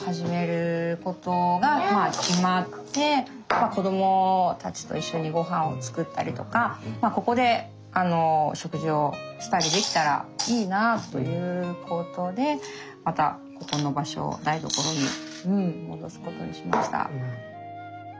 まあ子供たちと一緒にごはんを作ったりとかここで食事をしたりできたらいいなあということでまたここの場所を台所に戻すことにしました。